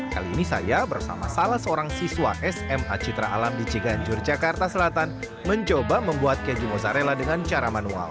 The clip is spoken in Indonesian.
kali ini saya bersama salah seorang siswa sma citra alam di ciganjur jakarta selatan mencoba membuat keju mozzarella dengan cara manual